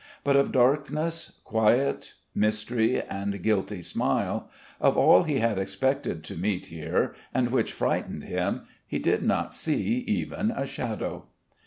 But of darkness, quiet, mystery, and guilty smile of all he had expected to meet here and which frightened him he did not see even a shadow.